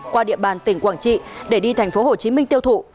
qua địa bàn tỉnh quảng trị để đi tp hcm tiêu thụ